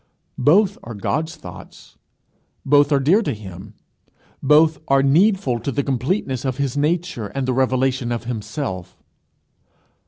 Both are God's thoughts; both are dear to him; both are needful to the completeness of his earth and the revelation of himself.